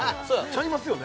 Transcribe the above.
ちゃいますよね